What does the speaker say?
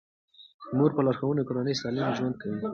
د مور په لارښوونه کورنۍ سالم ژوند کوي.